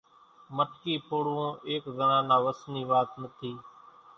مٽڪي ڦوڙوون ايڪ زڻا نا وس ني وات نٿي